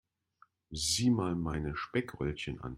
Sieh mal meine Speckröllchen an.